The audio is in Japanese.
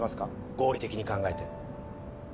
合理的に考えて。